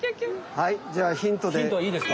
はいじゃあヒントです。